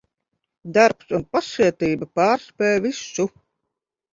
Darbs un pacietība pārspēj visu.